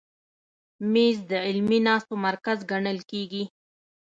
مېز د علمي ناستو مرکز ګڼل کېږي.